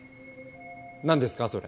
なんですかそれ。